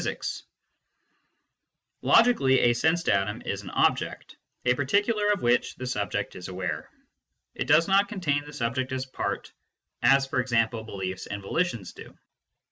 152 MYSTICISM AND LOGIC Logically a sense datum is an object, a particular of which the subject is aware. It does not contain the subject as a part, as for example beliefs and volitions do.